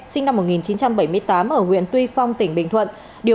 sinh năm một nghìn chín trăm bảy mươi tám ở huyện tuy phong tỉnh bình thuận